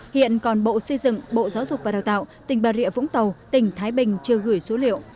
hiện còn bộ xây dựng bộ giáo dục và đào tạo tỉnh bà rịa vũng tàu tỉnh thái bình chưa gửi số liệu